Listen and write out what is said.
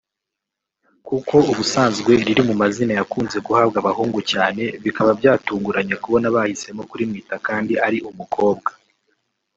kuko ubusanzwe riri mu mazina yakunze guhabwa abahungu cyane bikaba byatunguranye kubona bahisemo kurimwita kandi ari umukobwa